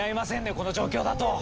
この状況だと。